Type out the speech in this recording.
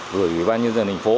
gửi ban nhân dân thành phố